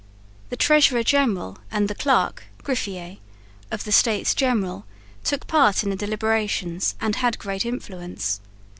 The treasurer general and the clerk (Griffier) of the States General took part in the deliberations and had great influence.